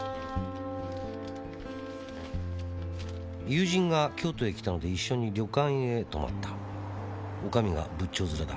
「友人が京都へ来たので一緒に旅館へ泊まった」「女将が仏頂面だ。